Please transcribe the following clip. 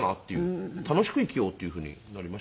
楽しく生きようというふうになりましたね。